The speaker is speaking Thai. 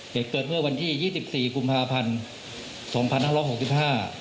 เกิดเมื่อวันที่๒๔กุมภาพันธ์๒๕๖๕